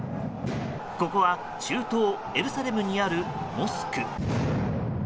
ここは中東エルサレムにあるモスク。